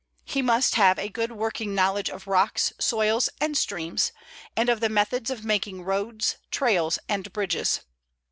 He must have a good working knowledge of rocks, soils, and streams, and of the methods of making roads, trails, and bridges.